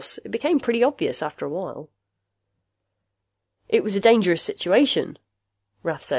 It became pretty obvious after a while." "It was a dangerous situation," Rath said.